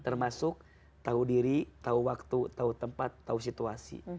termasuk tahu diri tahu waktu tahu tempat tahu situasi